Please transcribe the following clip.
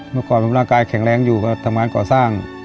เมื่อก่อนร่างกายแข็งแรงอยู่ก็ทำงานก่อสร้าง